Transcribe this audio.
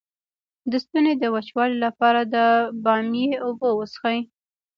د ستوني د وچوالي لپاره د بامیې اوبه وڅښئ